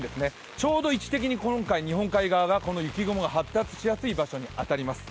ちょうど位置的に日本海側に雪雲が発達しやすい場所になります。